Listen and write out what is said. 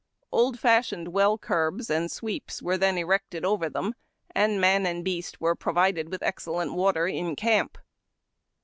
Old fashioned well curbs and sweeps were then erected over them, and man and beast were provided with excellent water in camp.